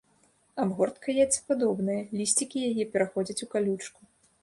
Абгортка яйцападобная, лісцікі яе пераходзяць у калючку.